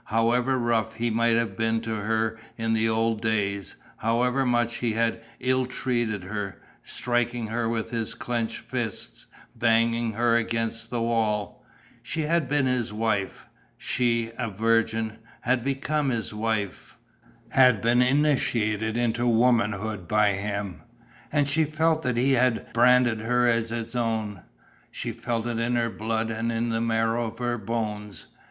However rough he might have been to her in the old days, however much he had ill treated her, striking her with his clenched fist, banging her against the wall ... she had been his wife. She, a virgin, had become his wife, had been initiated into womanhood by him. And she felt that he had branded her as his own, she felt it in her blood and in the marrow of her bones.